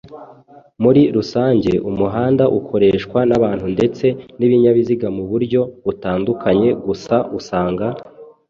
Muri rusange umuhanda ukoreshwa n’abantu ndetse n’ibinyabiziga mu buryo butandukanye, gusa usanga